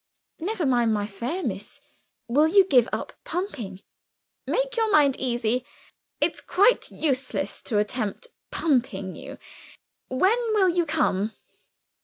"Never mind my fare, miss. Will you give up pumping?" "Make your mind easy. It's quite useless to attempt pumping you. When will you come?"